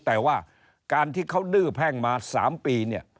แต่ว่าการที่เขาดื้อแพ่งมา๓ปีเนี่ย